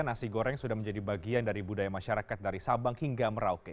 nasi goreng sudah menjadi bagian dari budaya masyarakat dari sabang hingga merauke